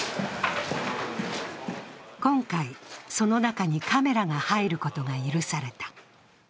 今回、その中にカメラが入ることが許された。